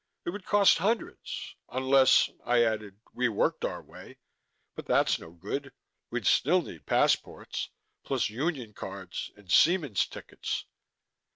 It would cost hundreds. Unless " I added, " we worked our way. But that's no good. We'd still need passports plus union cards and seamen's tickets."